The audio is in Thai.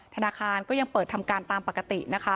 ธนาคารก็ยังเปิดทำการตามปกตินะคะ